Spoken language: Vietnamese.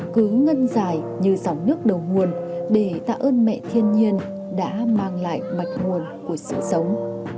cứ ngân dài như dòng nước đầu nguồn để tạ ơn mẹ thiên nhiên đã mang lại mạch nguồn của sự sống